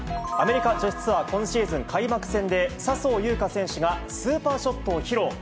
アメリカ女子ツアー、今シーズン開幕戦で、笹生優花選手がスーパーショットを披露。